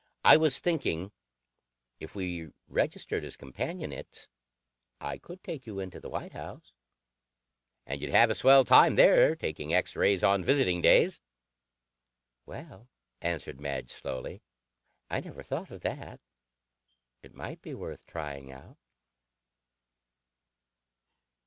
"I was thinking, if we registered as companionates, I could take you into the White House, and you'd have a swell time there taking X rays on visiting days." "Well," answered Madge slowly. "I never thought of that. It might be worth trying out."